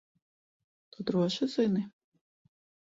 Tu droši zini?